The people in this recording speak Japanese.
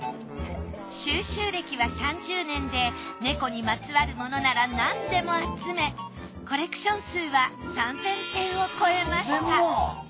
収集歴は３０年で猫にまつわるものならなんでも集めコレクション数は３，０００点を超えました。